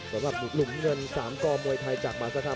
สำหรับหลุมเงิน๓กอมวยไทยจากมหาสถาน